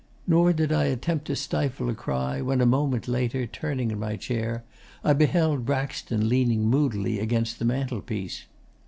Nor did I attempt to stifle a cry when, a moment later, turning in my chair, I beheld Braxton leaning moodily against the mantelpiece.